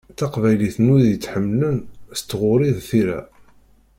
Taqbaylit n wid i tt-ḥemmlen s tɣuri d tira.